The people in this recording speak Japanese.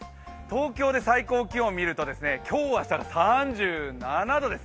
東京で最高気温を見ると今日と明日、３７度です。